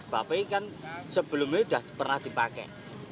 bapak ini kan sebelumnya sudah pernah dipakai